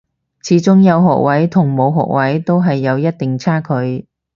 始終有學位同冇學位都係有一定差距